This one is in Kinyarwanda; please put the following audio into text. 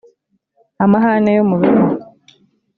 Amahane yo mu rugo